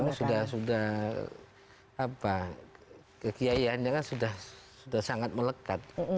ya memang sudah sudah apa kekiahannya kan sudah sangat melekat